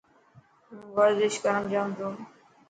هون ورزش ڪرڻ جائون تو.